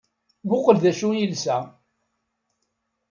Mmuqqel d acu i yelsa!